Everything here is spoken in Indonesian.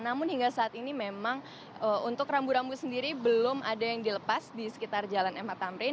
namun hingga saat ini memang untuk rambu rambu sendiri belum ada yang dilepas di sekitar jalan mh tamrin